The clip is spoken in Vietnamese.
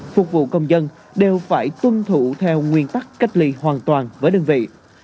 phục vụ công dân đều phải tuân thủ theo nguyên tắc cách ly hoàn toàn với đơn vị